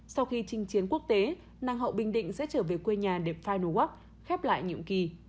sau khi trình chiến quốc tế nàng hậu bình định sẽ trở về quê nhà để final walk khép lại nhiệm kỳ